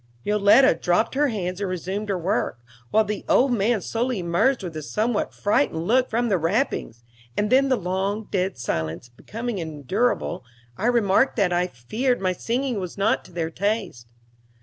Yoletta dropped her hands and resumed her work, while the old man slowly emerged with a somewhat frightened look from the wrappings; and then the long dead silence becoming unendurable, I remarked that I feared my singing was not to their taste.